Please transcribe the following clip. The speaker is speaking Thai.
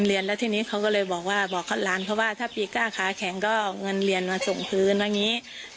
ใช่เรียนแล้วทีนี้เขาก็เลยบอกว่าบอกล้านเขาว่าถ้าปิดกล้าค้าแข็งก็เงินเรียนมาส่งพื้นอะไรอย่างเงี้ย